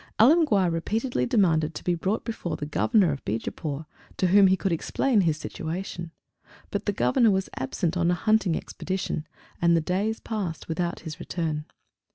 Alemguir repeatedly demanded to be brought before the Governor of Beejapoor, to whom he could explain his situation; but the Governor was absent on a hunting expedition, and days passed without his return.